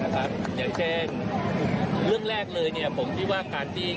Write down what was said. อย่างเช่นเรื่องแรกเลยผมคิดว่าการที่